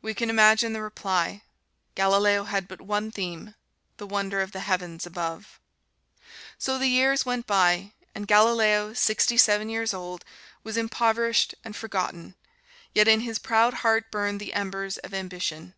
We can imagine the reply Galileo had but one theme, the wonders of the heavens above. So the years went by, and Galileo, sixty seven years old, was impoverished and forgotten, yet in his proud heart burned the embers of ambition.